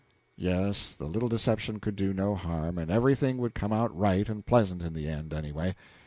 Yes; the little deception could do no harm, and everything would come out right and pleasant in the end, any way.